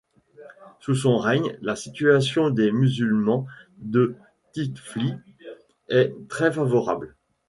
Sous son règne, la situation des musulmans de Tiflis est très favorable.